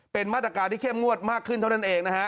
เป็นมาตรการที่เข้มงวดมากขึ้นเท่านั้นเองนะฮะ